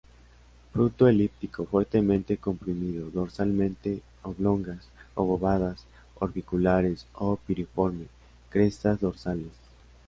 Fruto elíptico, fuertemente comprimido dorsalmente, oblongas, obovadas, orbiculares o piriforme, crestas dorsales.